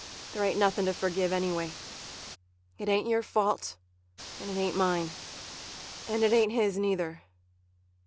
There ain't nothing to forgive, anyway. It ain't your fault, and it ain't mine, and it ain't his neither.